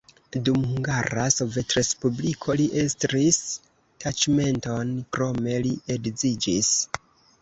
Dum Hungara Sovetrespubliko li estris taĉmenton, krome li edziĝis.